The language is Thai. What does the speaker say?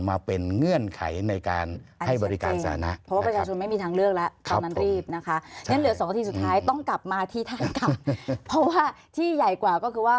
มาเป็นเงื่อนไขในการให้บริการสานะ